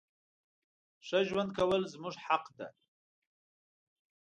ښه ژوند کول زموږ حق ده.